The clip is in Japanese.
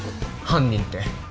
犯人って？